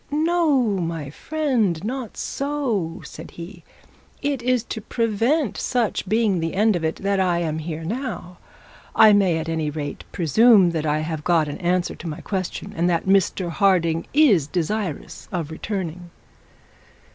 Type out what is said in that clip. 'No, my friend not so,' said he. 'It is to prevent such being the end of it that I am now here. I may at any rate presume that I have got an answer to my question, and that Mr Harding is desirous of returning.'